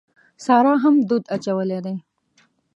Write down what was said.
سارا هم دود اچولی دی.